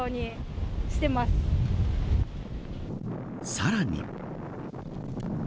さらに。